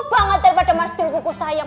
jauh banget daripada mas dulguku sayang